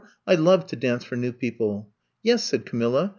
I love to dance for new people. '''' Yes, '' said Camilla.